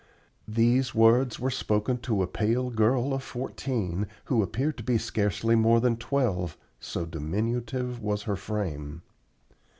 These words were spoken to a pale girl of fourteen, who appeared to be scarcely more than twelve, so diminutive was her frame.